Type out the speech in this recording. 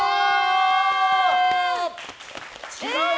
違う！